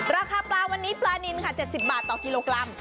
ราคาปลาวันนี้ปลานินค่ะ๗๐บาทต่อกิโลกรัม